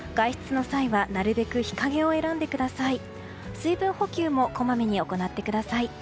水分補給もこまめに行ってください。